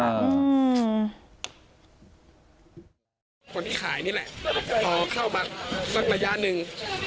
คนที่ขายนี่แหละพอเข้ามาสักระยะหนึ่ง